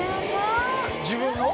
自分の？